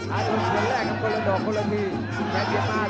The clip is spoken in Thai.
เอาคุณซ่อนแลกคนละชีวิตคนละชีวิต